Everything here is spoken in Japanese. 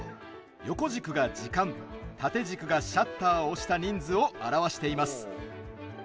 横軸が時間縦軸がシャッターを押した人数を表してます。